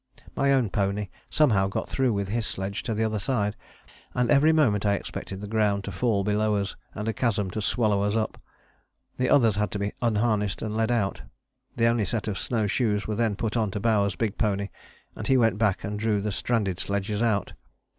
My own pony somehow got through with his sledge to the other side, and every moment I expected the ground to fall below us and a chasm to swallow us up. The others had to be unharnessed and led out. The only set of snow shoes was then put on to Bowers' big pony and he went back and drew the stranded sledges out.